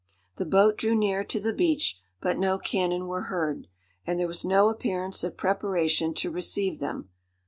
The boat drew near to the beach, but no cannon were heard, and there was no appearance of preparation to receive them.